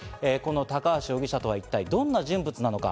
高橋容疑者とは一体どんな人物なのか？